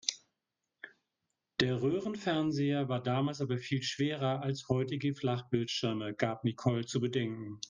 Der Röhrenfernseher war damals aber viel schwerer als heutige Flachbildschirme, gab Nicole zu bedenken.